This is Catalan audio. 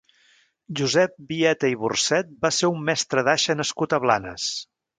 Josep Vieta i Burcet va ser un mestre d'aixa nascut a Blanes.